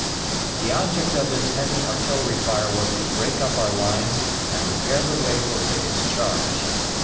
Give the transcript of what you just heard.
The object of this heavy artillery fire was to break up our lines and prepare the way for Pickett's charge.